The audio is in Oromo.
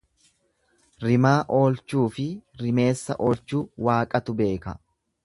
Rimaa oolchuufi rimeessa oolchuu Waaqatu beeka.